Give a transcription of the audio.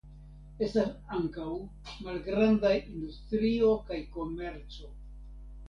Estas ankaŭ malgrandaj industrio kaj komerco.